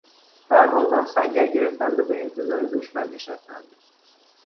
سربازان سنگر گرفتند و به انتظار دشمن نشستند.